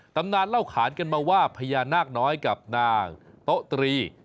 ตำนานเล่าขานกันมาว่าพญานาคน้อยกับนางโต๊ะตรี